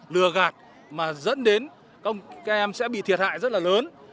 lừa gạt mà dẫn đến các em sẽ bị thiệt hại rất là lớn